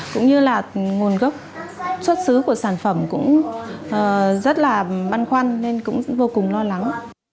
cũng như là nguồn gốc xuất xứ của sản phẩm cũng rất là băn khoăn nên cũng vô cùng lo lắng